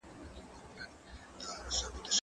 زه به اوږده موده کتابتون ته راغلی وم!؟